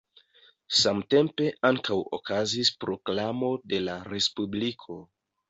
Samtempe ankaŭ okazis proklamo de la respubliko.